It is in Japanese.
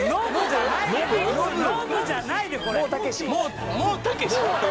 ノブじゃないですこれ。